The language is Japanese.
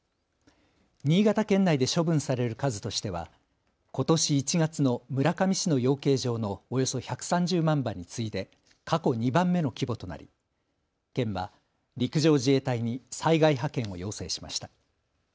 新潟県内で処分される数としてはことし１月の村上市の養鶏場のおよそ１３０万羽に次いで過去２番目の規模となり県は陸上自衛隊に災害派遣を要請しました。